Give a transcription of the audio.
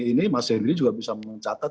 ini mas henry juga bisa mencatat